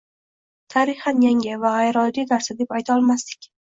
tarixan yangi va g‘ayrioddiy narsa deb ayta olmasdik